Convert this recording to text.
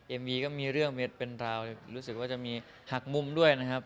มีก็มีเรื่องเม็ดเป็นราวรู้สึกว่าจะมีหักมุมด้วยนะครับ